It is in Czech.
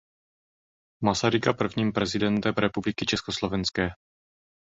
Masaryka prvním prezidentem Republiky Československé.